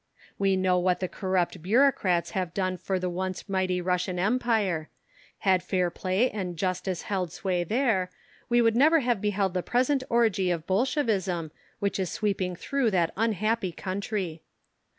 We know what the corrupt Bureaucrats have done for the once mighty Russian Empire. Had fair play and justice held sway there we would never have beheld the present orgy of Bolshevism which is sweeping through that unhappy country.